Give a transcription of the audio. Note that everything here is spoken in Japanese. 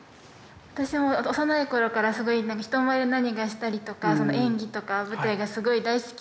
私も幼い頃からすごいなんか人前で何かしたりとか演技とか舞台がすごい大好きで。